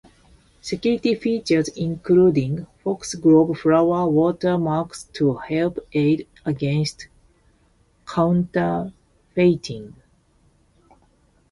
Security features include Foxglove flower watermarks to help aid against counterfeiting.